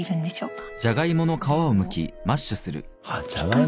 あっじゃがいもか。